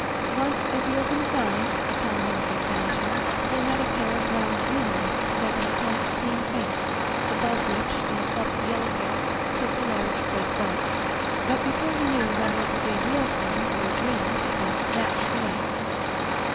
Once as he opened his eyes upon one of these vanish ings, they met a pair of round blue ones set in a plump clean face, above which, in a fluflF of yellow hair, perked a large red bow; but before he knew whether it was a real thing or a dream it was snatched away.